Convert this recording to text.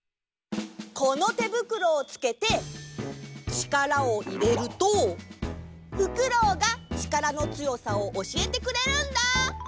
このてぶくろをつけて力をいれるとフクロウが力の強さを教えてくれるんだ！